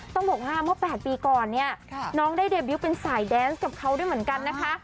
ต้องบอกว่าเมื่อ๘ปีก่อนเนี่ยน้องได้เดบิวต์เป็นสายแดนส์กับเขาด้วยเหมือนกันนะคะ